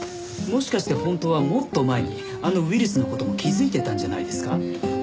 もしかして本当はもっと前にあのウイルスの事も気づいてたんじゃないですか？